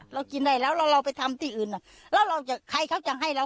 เรากินได้แล้วแล้วเราไปทำที่อื่นแล้วเราจะใครเขาจะให้เรา